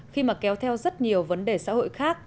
khi mà kéo theo rất nhiều vấn đề xã hội khác